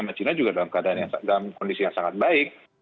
sama cina juga dalam kondisi yang sangat baik